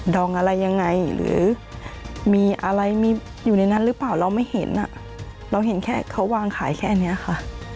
องอะไรยังไงหรือมีอะไรมีอยู่ในนั้นหรือเปล่าเราไม่เห็นอ่ะเราเห็นแค่เขาวางขายแค่เนี้ยค่ะ